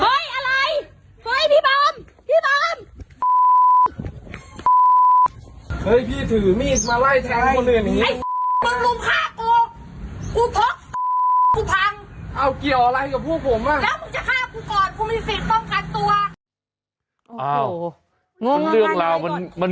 มึงจะฆ่ากูก่อนกูมีสิทธิ์ต้องกันตัวอ้าวเรื่องลามันมัน